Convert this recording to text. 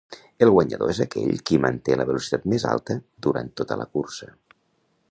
El guanyador és aquell qui manté la velocitat més alta durant tota la cursa.